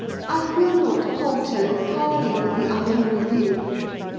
I will not palter and parley with the unholy thing.